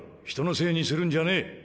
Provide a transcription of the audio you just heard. ひとのせいにするんじゃねえ！